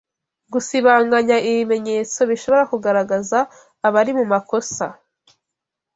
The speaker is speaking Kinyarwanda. gusibanganya ibimenyetso bishobora kugaragaza abari mu makossa